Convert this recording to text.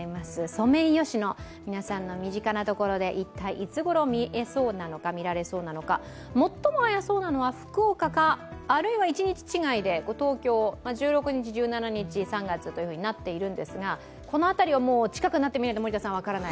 ソメイヨシノ、皆さんの身近なところで一体いつごろ見られそうなのか最も早そうなのが福岡か、あるいは一日違いで東京、３月１６日、１７日となっているんですがこの辺りは近くなってみないと分からない？